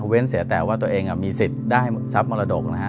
เว้นเสียแต่ว่าตัวเองมีสิทธิ์ได้ทรัพย์มรดกนะฮะ